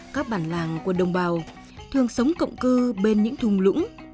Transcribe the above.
các bản làng của đồng bào thường sống cộng cư bên những thùng lũng